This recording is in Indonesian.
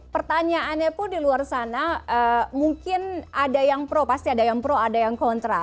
pertanyaannya pun di luar sana mungkin ada yang pro pasti ada yang pro ada yang kontra